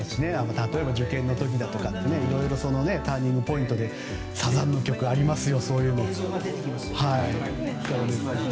例えば受験の時とかターニングポイントでサザンの曲がありますよ。